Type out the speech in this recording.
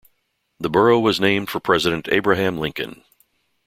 The borough was named for President Abraham Lincoln.